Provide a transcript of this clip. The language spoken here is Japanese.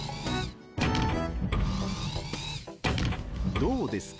どうですか？